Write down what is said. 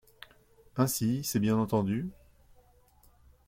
Ainsi, c’est bien entendu…